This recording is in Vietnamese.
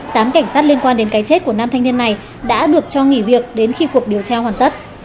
tám cảnh sát liên quan đến cái chết của nam thanh niên này đã được cho nghỉ việc đến khi cuộc điều tra hoàn tất